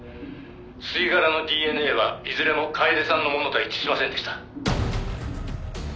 「吸い殻のＤＮＡはいずれも楓さんのものと一致しませんでした」